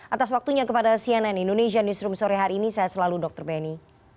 atas waktunya kepada cnn indonesia newsroom sore hari ini saya selalu dr benny